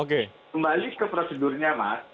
kembali ke prosedurnya mas